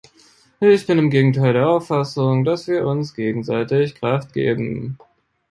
Ich bin im Gegenteil der Auffassung, dass wir uns gegenseitig Kraft geben.